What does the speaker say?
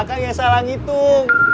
akang yang salah ngitung